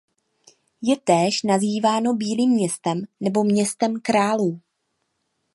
Je též nazýváno Bílým městem nebo Městem králů.